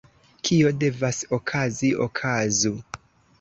Kio devas okazi, okazu!